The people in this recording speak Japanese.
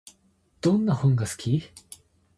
どんな本が好き？